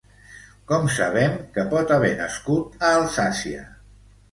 Com sabem que pot haver nascut a Alsàcia?